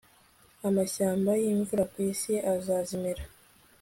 amashyamba yimvura kwisi arazimira